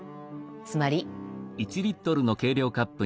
つまり。